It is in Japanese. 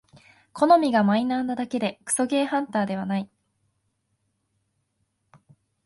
好みがマイナーなだけでクソゲーハンターではない